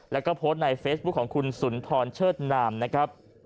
แล้วก็โพสต์ในเฟซบุ๊คของคุณสุนทรเชิดนามนะครับ